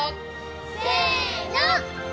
せの！